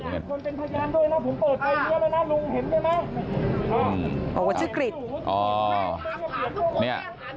บอกว่าชื่อกฤทธิ์